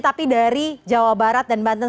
tapi dari jawa barat dan banten